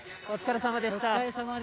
お疲れさまでした。